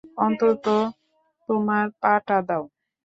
অন্তত তোমার পা টা দাও!